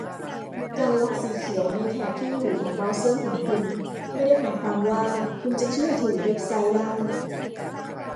การล็อกสีเขียวในแถบที่อยู่ของเบราว์เซอร์ของคุณไม่ได้หมายความว่าคุณจะเชื่อถือเว็บไซต์ได้